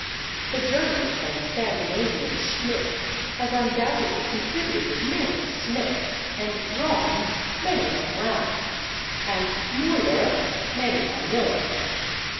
The German and [Pg272] Scandinavian /Schmidt/ has undoubtedly contributed many a /Smith/, and /Braun/ many a /Brown/, and /Müller/ many a /Miller